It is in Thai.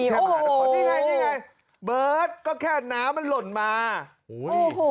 โอ้โหนี่ไงนี่ไงเบิร์ทก็แค่น้ำมันหล่นมาโอ้โหโอ้โห